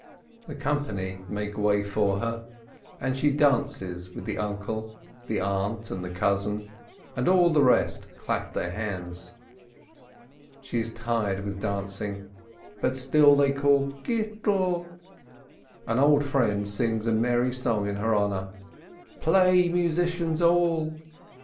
The company make way for her, and she dances with the uncle, the aunt, and the cousin, and all the rest clap their hands. She is tired with dancing, but still they call "Gittel"! An old friend sings a merry song in her honor. "Play, musicians all